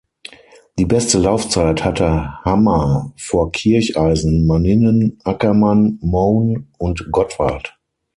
Die beste Laufzeit hatte Hammer vor Kircheisen, Manninen, Ackermann, Moan und Gottwald.